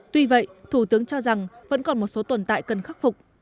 tuy vậy thủ tướng cho rằng vẫn còn một số tồn tại cần khắc phục